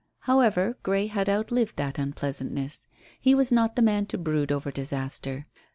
However, Grey had outlived that unpleasantness. He was not the man to brood over disaster.